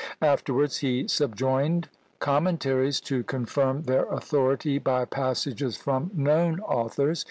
Afterwards he subjoined commentaries to confirm their authority by passages from known authors.